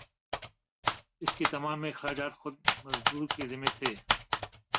اس کے تمام اخراجات خود مزدور کے ذمہ تھے